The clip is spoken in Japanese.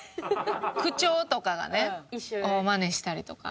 口調とかがねをマネしたりとか。